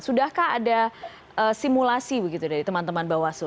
sudahkah ada simulasi begitu dari teman teman bawaslu